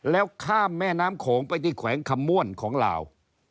แล้วข้ามแม่น้ำโขงไปที่แขวงคำม่วนของลาว